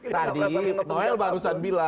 tadi noel barusan bilang